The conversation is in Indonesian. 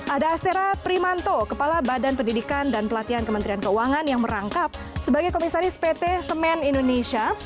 ada astera primanto kepala badan pendidikan dan pelatihan kementerian keuangan yang merangkap sebagai komisaris pt semen indonesia